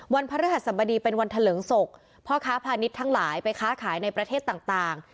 พระฤหัสบดีเป็นวันเถลิงศพพ่อค้าพาณิชย์ทั้งหลายไปค้าขายในประเทศต่าง